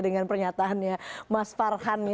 dengan pernyataannya mas farhan